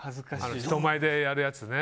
人前でやるやつね。